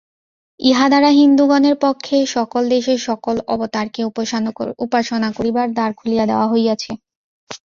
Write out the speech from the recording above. ইহা দ্বারা হিন্দুগণের পক্ষে সকল দেশের সকল অবতারকে উপাসনা করিবার দ্বার খুলিয়া দেওয়া হইয়াছে।